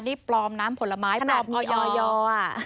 นี่ปลอมน้ำผลไม้ปลอมออย